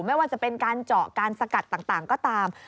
ไม่ว่าจะเป็นการเจาะการสกัดต่างก็ตาม